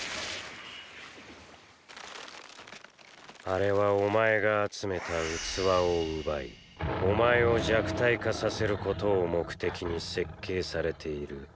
あれはお前が集めた器を奪いお前を弱体化させることを目的に設計されている。